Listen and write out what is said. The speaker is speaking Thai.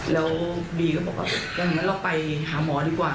แล้วบีก็บอกว่าอย่างนั้นเราไปหาหมอดีกว่า